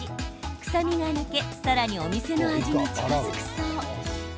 臭みが抜けさらにお店の味に近づくそう。